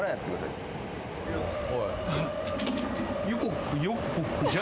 いきます。